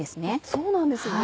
そうなんですね。